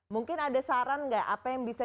mungkin ada saran nggak apa yang bisa